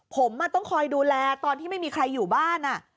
ผมต้องคอยดูแลตอนที่ไม่มีใครอยู่บ้าน